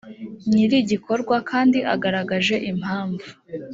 nyir’igikorwa kandi agaragaje impamvu